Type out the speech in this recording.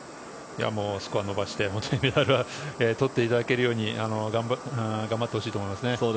スコアを伸ばしてメダルを取っていただけるように頑張ってほしいと思いますね。